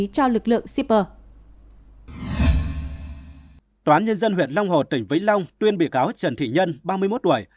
tòa nhân dân huyện long hồ tỉnh vĩnh long tuyên bị cáo trần thị nhân ba mươi một tuổi